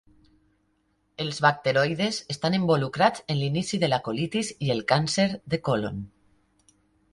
Els bacteroides estan involucrats en l'inici de la colitis i el càncer de còlon.